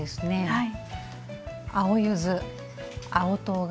はい。